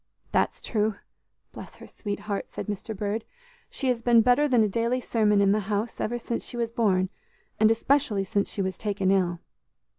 "That's true, bless her sweet heart," said Mr. Bird; "she has been better than a daily sermon in the house ever since she was born, and especially since she was taken ill."